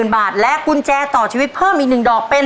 ๐บาทและกุญแจต่อชีวิตเพิ่มอีก๑ดอกเป็น